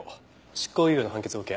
執行猶予の判決を受け